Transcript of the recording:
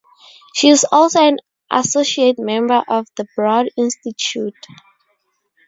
She is also an associate Member of the Broad Institute.